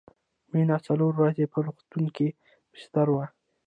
مينه څلور ورځې په روغتون کې بستر وه